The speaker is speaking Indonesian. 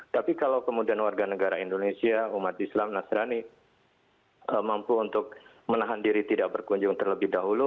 tapi kalau kemudian warga negara indonesia umat islam nasrani mampu untuk menahan diri tidak berkunjung terlebih dahulu